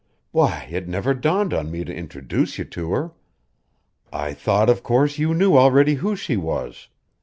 "Why, it never dawned on me to introduce you to her. I thought of course you knew already who she was.